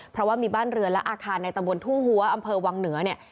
เพราะว่ามีบ้านเรือนและอาคารในตำบลทุ่งหัวอำเภอวังเหนือเนี่ย